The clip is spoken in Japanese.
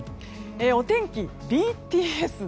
お天気、ＢＴＳ。